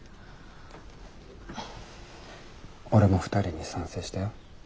俺も２人に賛成したよ。